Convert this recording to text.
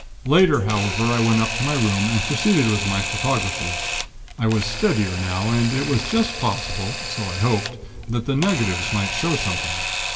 "Later, however, I went up to my room, and proceeded with my photography. I was steadier now, and it was just possible, so I hoped, that the negatives might show something.